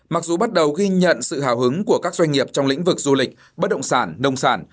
mặc dù bắt đầu ghi nhận sự hào hứng của các doanh nghiệp trong lĩnh vực du lịch bất động sản nông sản